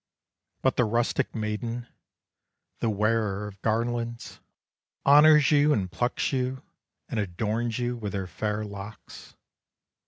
But the rustic maiden, The wearer of garlands, Honors you, and plucks you, And adorns with you her fair locks.